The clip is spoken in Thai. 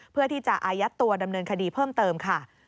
เพื่อที่จะอายัดตัวดำเนินคดีเพิ่มเติมค่ะ